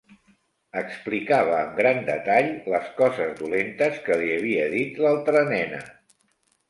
Explicava amb gran detall les coses dolentes que li havia dit l'altra nena.